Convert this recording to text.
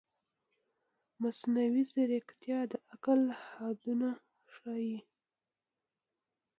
مصنوعي ځیرکتیا د عقل حدونه ښيي.